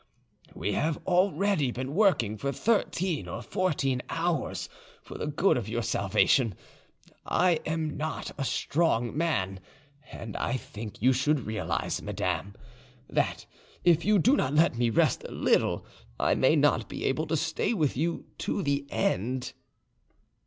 We have already been working for thirteen or fourteen hours for the good of your salvation; I am not a strong man, and I think you should realise, madame, that if you do not let me rest a little, I may not be able to stay with you to the end."